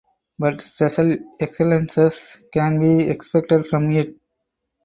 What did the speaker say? But special excellencies can be expected from it.